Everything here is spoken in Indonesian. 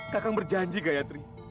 kakang berjanji gayatri